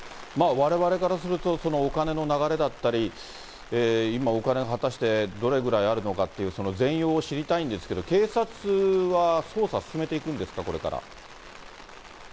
われわれからすると、そのお金の流れだったり、今お金、果たして、どれくらいあるのかっていう、その全容を知りたいんですけれども、警察は捜査進めていくんですか、これから。